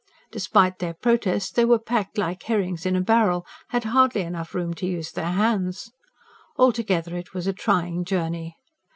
Despite their protests they were packed like herrings in a barrel had hardly enough room to use their hands. Altogether it was a trying journey.